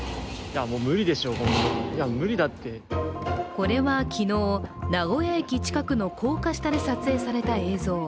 これは、昨日名古屋駅近くの高架下で撮影された映像。